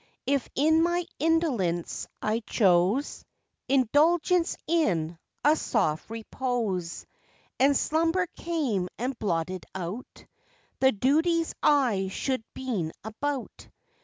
If in my indolence I chose Indulgence in a soft repose And slumber came and blotted out The duties I should been about.